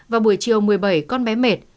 vào buổi chiều một mươi bảy con bé mệt